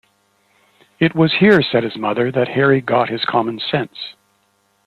It was here, said his mother, that Harry got his common sense.